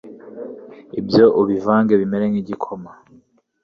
ibyo ubivange bimere nk'igikoma